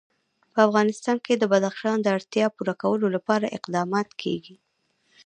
په افغانستان کې د بدخشان د اړتیاوو پوره کولو لپاره اقدامات کېږي.